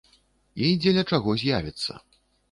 І дзеля чаго з'явіцца.